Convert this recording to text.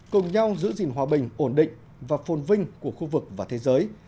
cùng nhau giữ gìn hòa bình ổn định và phôn vinh của khu vực và thế giới